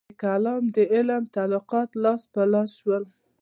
د کلام د علم تالیفات لاس په لاس شول.